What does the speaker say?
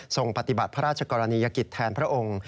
ปฏิบัติพระราชกรณียกิจแทนพระองค์